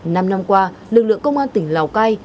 năm năm qua lực lượng công an tỉnh lào cai